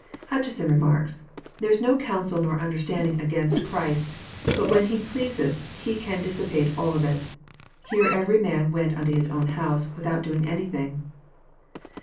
Hutcheson remarks :'' There is no council nor understanding against Christ, but when He pleaseth He can dissipate all of it. Here every man went nnto his own house, without doing any thing."